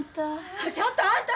ちょっとあんた！